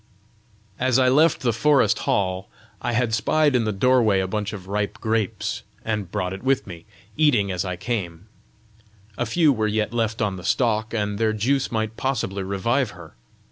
As I left the forest hall, I had spied in the doorway a bunch of ripe grapes, and brought it with me, eating as I came: a few were yet left on the stalk, and their juice might possibly revive her!